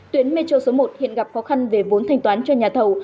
tuyến metro số một hiện gặp khó khăn về vốn thanh toán cho nhà thầu